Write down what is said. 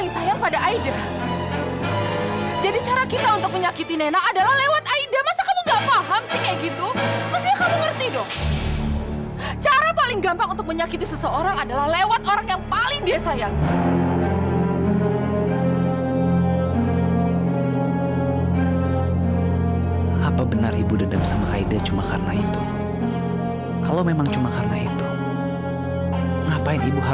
sampai jumpa di video selanjutnya